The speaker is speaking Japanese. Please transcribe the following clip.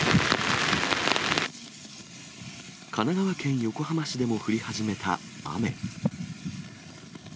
神奈川県横浜市でも降り始めた雨。